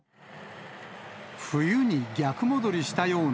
冬に逆戻りしたような